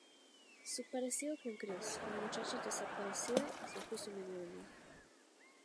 Su parecido con Cris, una muchacha desaparecida hace justo medio año.